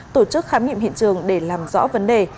tổ chức khám nghiệm hiện trường để làm rõ vấn đề